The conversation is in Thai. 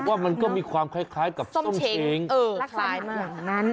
ผมว่ามันก็มีความคล้ายคล้ายกับส้มเฉงเออคล้ายมากลักษณะอย่างนั้น